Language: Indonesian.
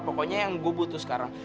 pokoknya yang gue butuh sekarang